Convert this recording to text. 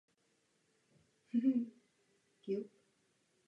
Jeho láskou byl však rozhlas.